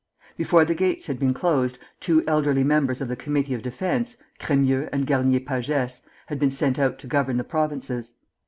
Before the gates had been closed, two elderly members of the Committee of Defence Crémieux and Garnier Pagès had been sent out to govern the Provinces.